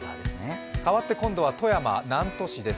変わって今度は富山・南砺市です。